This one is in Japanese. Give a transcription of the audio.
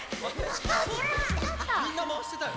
みんなまわしてたよ。